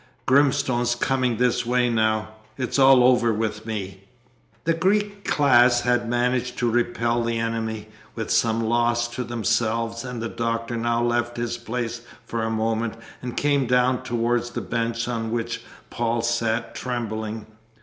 Grimstone's coming this way now; it's all over with me!" The Greek class had managed to repel the enemy, with some loss to themselves, and the Doctor now left his place for a moment, and came down towards the bench on which Paul sat trembling.